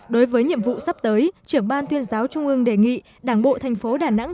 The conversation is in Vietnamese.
đối với nhiệm vụ sắp tới trưởng ban tuyên giáo trung ương đề nghị đảng bộ thành phố đà nẵng